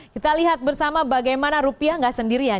kita lihat bersama bagaimana rupiah nggak sendirian